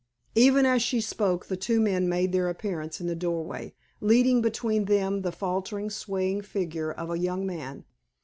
Even as she spoke, the two men made their appearance in the doorway, leading between them the faltering, swaying figure of the young man.